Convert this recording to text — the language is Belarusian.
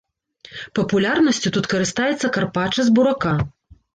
Папулярнасцю тут карыстаецца карпача з бурака.